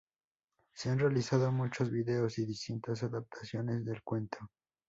Se han realizado muchos vídeos y distintas adaptaciones del cuento.